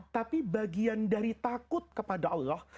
tapi bagian dari takut kepada allah